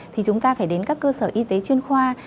thì chúng ta phải đến các cơ sở y tế chuyên khoa